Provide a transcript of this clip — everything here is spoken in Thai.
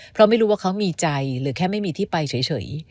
เพราะไม่รู้ว่าเขามีใจหรือแค่ไม่มีที่ไปเฉย